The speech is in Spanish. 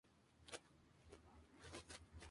Es importante por su influencia en la arquitectura.